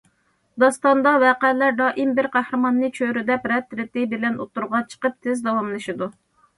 داستاندا ۋەقەلەر دائىم بىر قەھرىماننى چۆرىدەپ رەت-- رېتى بىلەن ئوتتۇرىغا چىقىپ تىز داۋاملىشىدۇ.